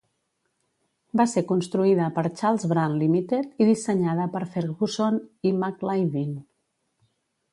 Va ser construïda per Charles Brand Ltd i dissenyada per Ferguson i McIlveen.